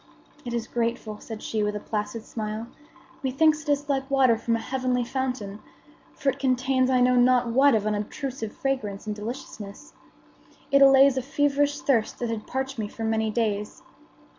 "It is grateful," said she with a placid smile. "Methinks it is like water from a heavenly fountain; for it contains I know not what of unobtrusive fragrance and deliciousness. It allays a feverish thirst that had parched me for many days.